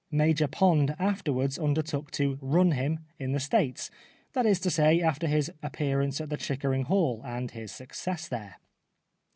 Major Pond afterwards undertook to " run him " in the States; that is to say after his appearance at the Chickering Hall and his success there.